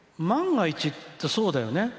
万が一って、そうだよね。